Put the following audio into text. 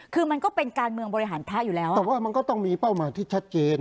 คือมันก็เป็นการเมืองบริหารพระอยู่แล้วแต่ว่ามันก็ต้องมีเป้าหมายที่ชัดเจน